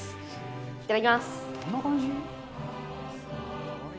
いただきます。